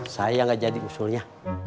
saya yang gak jadi usulnya